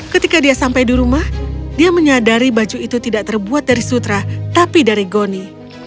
ketika dia sampai di rumah dia menyadari baju itu tidak terbuat dari sutra tapi dari goni